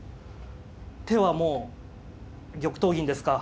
手はもう玉頭銀ですか。